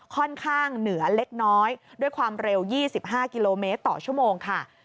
ค่อนข้างเหนือเล็กน้อยด้วยความเร็ว๒๕กิโลเมตรต่อชั่วโมงค่ะ